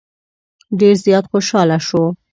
ډېر زیات خوشاله شو.